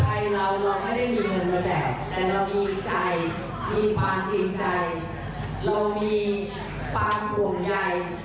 แต่เรามีใจมีความจริงใจเรามีความห่วงใจ